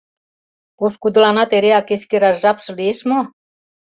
Пошкудыланат эреак эскераш жапше лиеш мо?